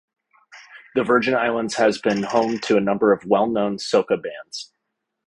The Virgin Islands has been home to a number of well-known soca bands.